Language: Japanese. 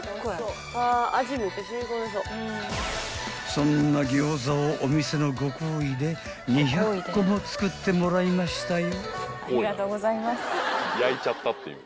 ［そんな餃子をお店のご厚意で２００個も作ってもらいましたよ］